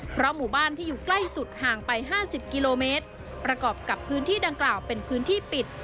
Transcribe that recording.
เพราะหมู่บ้านที่อยู่ใกล้สุดห่างไปห้าสิบกิโลเมตรประกอบกับพื้นที่ดังกล่าวเป็นพื้นที่ปิด